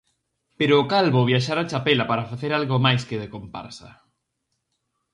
Pero o Calvo viaxara a Chapela para facer algo máis que de comparsa...